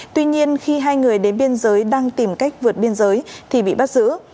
tuy nhiên khi hai người đến biên giới đang tìm cách vượt biên giới thì bị bắt giữ